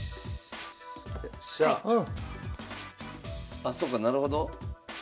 あそうかなるほど。